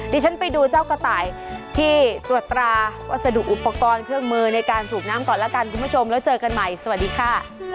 ฉันไปดูเจ้ากระต่ายที่ตรวจตราวัสดุอุปกรณ์เครื่องมือในการสูบน้ำก่อนแล้วกันคุณผู้ชมแล้วเจอกันใหม่สวัสดีค่ะ